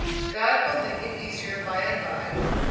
"God will make it easier by and by.